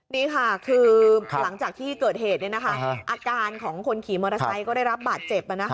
นี่ค่ะคือหลังจากที่เกิดเหตุอาการของคนขี่มอเตอร์ไซค์ก็ได้รับบาดเจ็บ